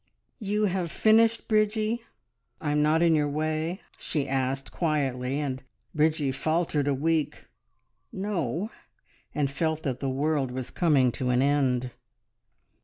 "You have finished, Bridgie? I'm not in your way?" she asked quietly, and Bridgie faltered a weak "No!" and felt that the world was coming to an end.